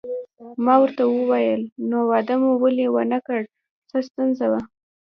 ما ورته وویل: نو واده مو ولې ونه کړ، څه ستونزه وه؟